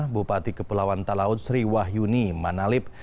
bupati kepulauan talaut sri wahyuni manalip